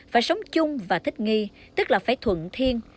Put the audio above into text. phải sống chung và thích nghi tức là phải thuận thiên